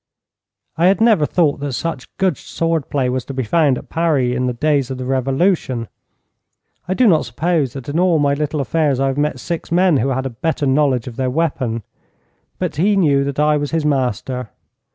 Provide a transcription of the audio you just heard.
I had never thought that such good sword play was to be found at Paris in the days of the Revolution. I do not suppose that in all my little affairs I have met six men who had a better knowledge of their weapon. But he knew that I was his master.